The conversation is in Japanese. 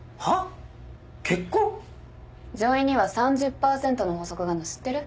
女医には３０％の法則があるの知ってる？